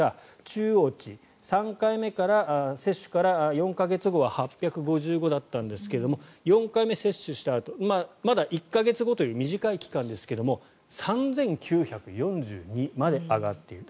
中央値３回目接種から４か月後は８５５だったんですが４回目接種したあとまだ１か月後という短い期間ですが３９４２まで上がっている。